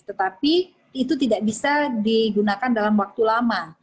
tetapi itu tidak bisa digunakan dalam waktu lama